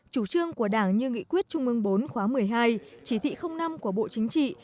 chủ trương của đảng như nghị quyết trung ương bốn khóa một mươi hai chỉ thị năm của bộ chính trị